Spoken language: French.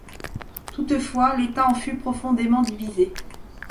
Toutefois, l'État en fut profondément divisé.